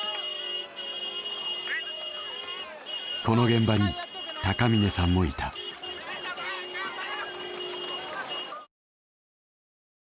この現場に高峰さんもいた。